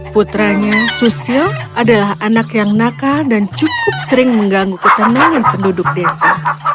putranya susil adalah anak yang nakal dan cukup sering mengganggu ketenangan penduduk desa